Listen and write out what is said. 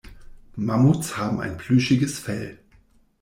Mammuts haben ein plüschiges Fell.